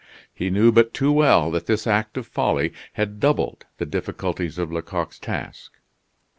He knew but too well that this act of folly had doubled the difficulties of Lecoq's task.